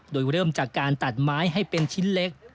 โดยเริ่มจากการตัดไม้ให้เป็นชิ้นเล็ก